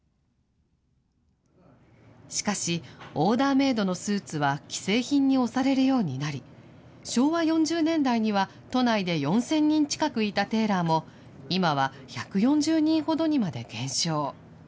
しかし、オーダーメードのスーツは既製品に押されるようになり、昭和４０年代には都内で４０００人近くいたテーラーも、今は１４０人ほどにまで減少。